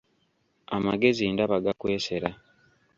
Amagezi ndaba gakwesera!